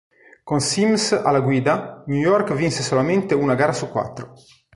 Con Simms alla guida, New York vinse solamente una gara su quattro.